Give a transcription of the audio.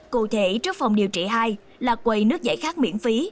cụ thể trước phòng điều trị hai là quầy nước giải khát miễn phí